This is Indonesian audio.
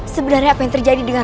sebenarnya apa yang terjadi dengan